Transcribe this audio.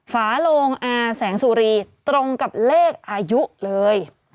ฝาโลงอาแสงสุรีตรงกับเลขอายุเลย